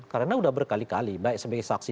karena sudah berkali kali baik sebagai saksi